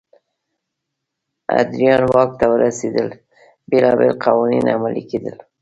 ادریان واک ته ورسېدل بېلابېل قوانین عملي کېدل.